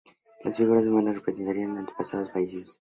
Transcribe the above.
Las figuras humanas representarían a los antepasados fallecidos.